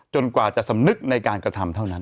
กว่าจะสำนึกในการกระทำเท่านั้น